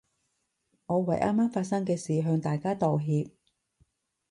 我為啱啱發生嘅事向大家道歉